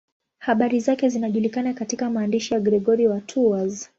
Habari zake zinajulikana katika maandishi ya Gregori wa Tours.